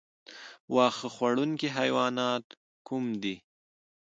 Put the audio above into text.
واښه خوړونکي حیوانات کوم دي؟